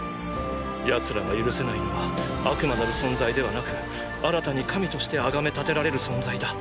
奴らが許せないのは悪魔なる存在ではなく新たに神として崇めたてられる存在だ。